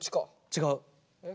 違う。